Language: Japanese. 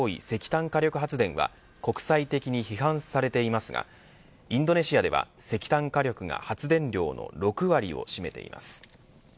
石炭火力発電は国際的に批判されていますがインドネシアでは、石炭火力が発電量の６割を占めています。